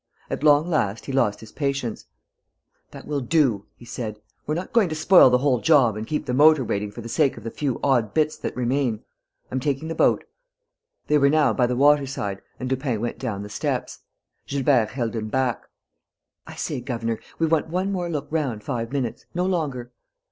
At long last, he lost his patience: "That will do!" he said. "We're not going to spoil the whole job and keep the motor waiting for the sake of the few odd bits that remain. I'm taking the boat." They were now by the waterside and Lupin went down the steps. Gilbert held him back: "I say, governor, we want one more look round five minutes, no longer."